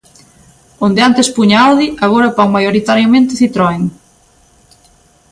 Onde antes puña Audi agora pon maioritariamente Citroën.